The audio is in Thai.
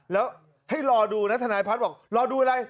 แล้วให้รอดูนะทนายพัฒน์บอกรอดูอะไร